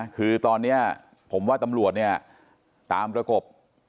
คือตอนนี้ผมว่าตำรวจเนี่ยตามประกบ